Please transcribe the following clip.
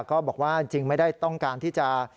ก็บอกว่าจริงไม่ได้ต้องการที่จะ